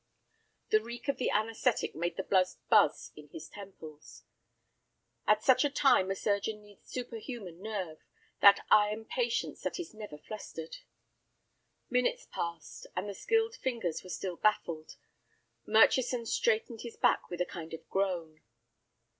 The reek of the anæsthetic made the blood buzz in his temples. At such a time a surgeon needs superhuman nerve, that iron patience that is never flustered. Minutes passed, and the skilled fingers were still baffled. Murchison straightened his back with a kind of groan.